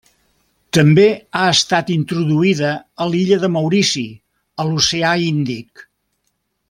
També ha estat introduïda a l'illa de Maurici, a l'oceà Índic.